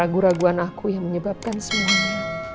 ragu raguan aku yang menyebabkan semuanya